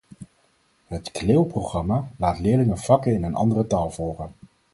Het clil-programma laat leerlingen vakken in een andere taal volgen.